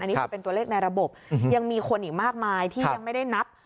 อันนี้คือเป็นตัวเลขในระบบยังมีคนอีกมากมายที่ยังไม่ได้นับ